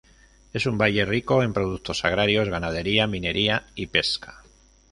Es un valle rico en productos agrarios, ganadería, minería y pesca.